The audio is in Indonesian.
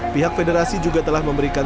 pihak federasi juga telah memberikan